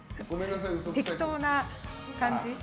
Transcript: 適当な感じ。